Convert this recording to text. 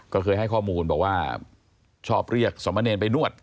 ก็เคยให้ข้อมูลบอกว่าชอบเรียกสมเนรไปนวด